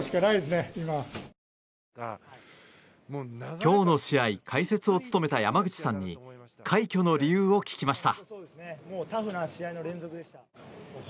今日の試合解説を務めた山口さんに快挙の理由を聞きました。